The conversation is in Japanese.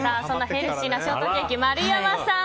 ヘルシーなショートケーキ丸山さん